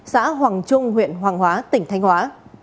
xã hoàng trung huyện hoàng hóa tỉnh thanh hóa